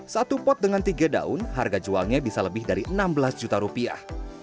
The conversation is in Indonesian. satu pot dengan tiga daun harga jualnya bisa lebih dari enam belas juta rupiah